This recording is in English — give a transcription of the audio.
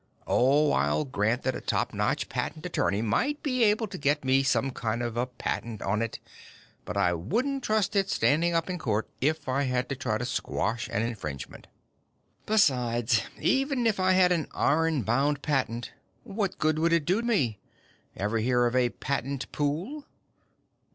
Oh, I'll grant that a top notch patent attorney might be able to get me some kind of patent on it, but I wouldn't trust its standing up in court if I had to try to quash an infringement. "Besides, even if I had an iron bound patent, what good would it do me? Ever hear of a patent pool?"